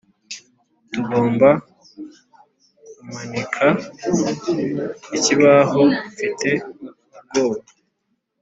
tugomba kumanika ikibaho, mfite ubwoba: